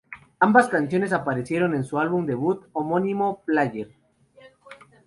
Ambas canciones aparecieron en su álbum de debut homónimo, "Player".